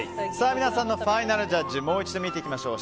皆さんのファイナルジャッジもう一度見ていきましょう。